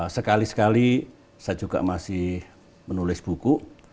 sekali sekali saya juga masih menulis buku